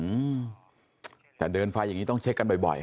อืมแต่เดินไฟอย่างนี้ต้องเช็คกันบ่อยบ่อย